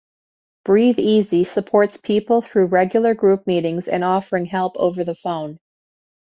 Breathe Easy supports people through regular group meetings and offering help over the phone.